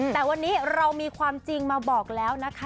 แต่วันนี้เรามีความจริงมาบอกแล้วนะคะ